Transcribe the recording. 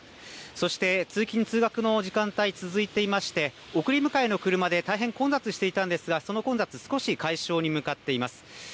そして、通勤・通学の時間帯続いていまして、送り迎えの車で大変混雑していたんですが、その混雑、少し解消に向かっています。